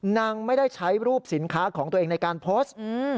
นางไม่ได้ใช้รูปสินค้าของตัวเองในการโพสต์